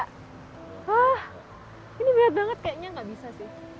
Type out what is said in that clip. wah ini berat banget kayaknya gak bisa sih